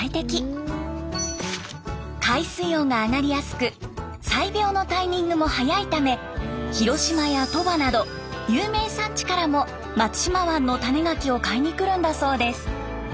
海水温が上がりやすく採苗のタイミングも早いため広島や鳥羽など有名産地からも松島湾のタネガキを買いに来るんだそうです。